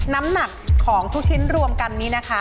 น้ำหนักของทุกชิ้นรวมกันนี้นะคะ